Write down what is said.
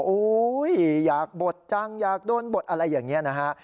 อยากบทจังอยากโดนบทอะไรอย่างนี้นะฮะ